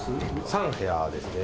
３部屋ですね。